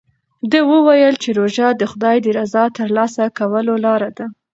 ده وویل چې روژه د خدای د رضا ترلاسه کولو لاره ده.